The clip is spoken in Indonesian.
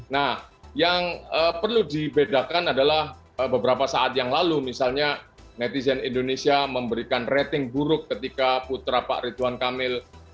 nah yang perlu dibedakan adalah beberapa saat yang lalu misalnya netizen indonesia memberikan rating buruk ketika putra pak ridwan kamil